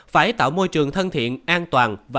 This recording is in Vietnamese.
phải tạo môi trường thân thiện an toàn